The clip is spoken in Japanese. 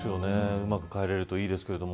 うまく帰れるといいですけど。